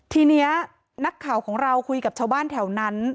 ทีนี้นักข่าวของเราคุยกับชาวบ้านแถวนั้น